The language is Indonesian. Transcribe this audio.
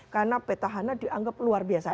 karena petahana dianggap luar biasa